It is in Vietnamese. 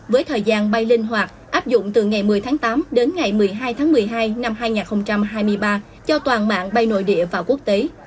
với thời gian bay linh hoạt áp dụng từ ngày một mươi tháng tám đến ngày một mươi hai tháng một mươi hai năm hai nghìn hai mươi ba cho toàn mạng bay nội địa và quốc tế